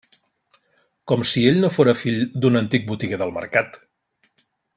Com si ell no fóra fill d'un antic botiguer del Mercat!